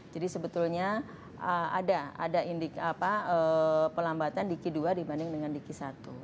jadi sebetulnya ada ada indik apa perlambatan di kisatu dibanding dengan di kisatu